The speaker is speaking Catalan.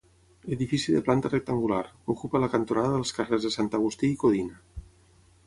Edifici de planta rectangular, que ocupa la cantonada dels carrers de Sant Agustí i Codina.